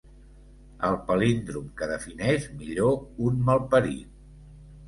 El palíndrom que defineix millor un malparit.